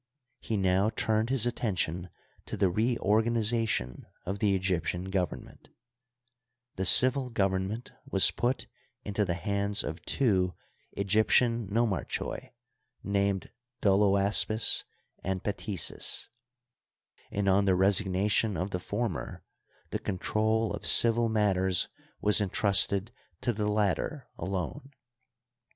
He now turned his attention to the reorganization of the Egyptian government. The civil government was put into the hands of two Egyptian Digitized byCjOOQlC 158 HISTORY OP EGYPT. nomarchoi named Doloaspis and Pettsts, and on the resignation of the former the control of civil matters was intrusted to the latter alone.